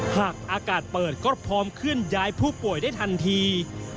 หากอากาศเปิดก็พร้อมเคลื่อนย้ายผู้ป่วยได้ทันที